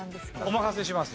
お任せします。